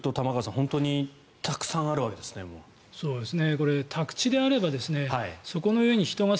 本当にたくさんあるわけですね。